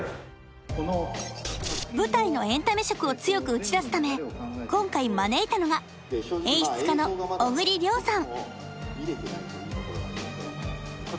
舞台のエンタメ色を強く打ち出すため今回招いたのが演出家の小栗了さん